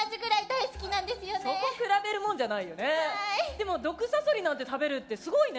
でも毒サソリなんて食べるってすごいね。